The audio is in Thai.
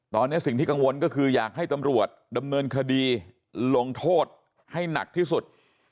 ตอนนี้สิ่งที่กังวลก็คืออยากให้ตำรวจดำเนินคดีลงโทษให้หนักที่สุด